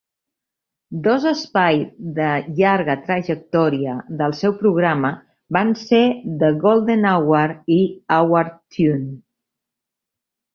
Dos espais de llarga trajectòria del seu programa van ser "The Golden Hour" i "Our Tune".